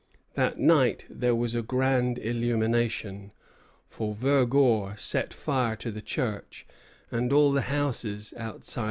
That night there was a grand illumination, for Vergor set fire to the church and all the houses outside the ramparts.